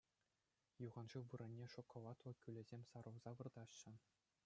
Юханшыв вырӑнне шоколадлӑ кӳлӗсем сарӑлса выртаҫҫӗ.